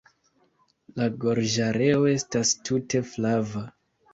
La gorĝareo estas tute flava.